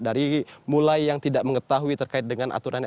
dari mulai yang tidak mengetahui terkait dengan aturan